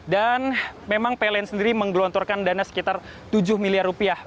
dan memang pln sendiri menggelontorkan dana sekitar tujuh miliar rupiah